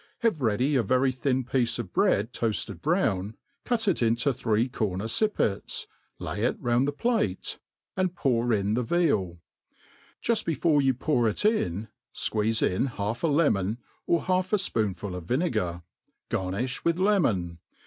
Have ready a very thin piece of bread toafted brown, cut it into three corner fippets, lay it round the plate, and pour in the vea). MADE PLAIN AND EASV. 1*19 ^aL Juft before you pouj: it in, fqueeze iti half a lemon, or half ^ fpoonful of vinegar/ Garni(h with lemon.